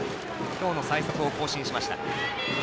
今日の最速を更新しました。